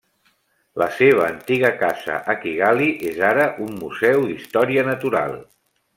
La seva antiga casa a Kigali és ara un museu d'història natural.